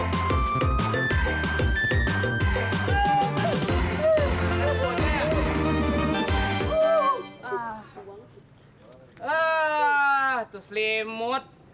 ah terus limut